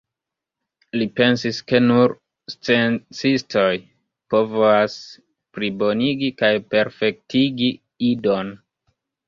Li pensis ke nur sciencistoj povas plibonigi kaj perfektigi Idon.